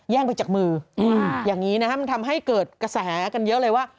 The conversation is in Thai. ไปจากมืออย่างนี้นะครับมันทำให้เกิดกระแสกันเยอะเลยว่า